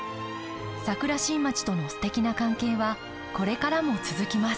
桜新町とのすてきな関係はこれからも続きます。